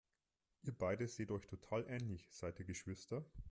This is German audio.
Ihr beide seht euch total ähnlich, seid ihr Geschwister?